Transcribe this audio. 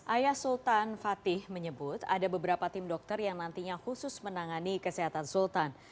ayah sultan fatih menyebut ada beberapa tim dokter yang nantinya khusus menangani kesehatan sultan